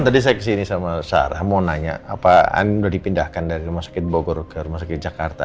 tadi saya kesini sama sarah mau nanya apa andin sudah dipindahkan dari rs bogor ke rs jakarta